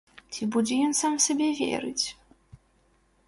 Ці будзе ён сам сабе верыць?